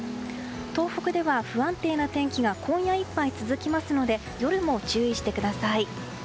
東北では不安定な天気が今夜いっぱい続きますので夜も注意してください。